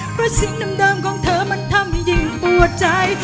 เพราะสิ่งเดิมของเธอมันทำให้ยิ่งปวดใจ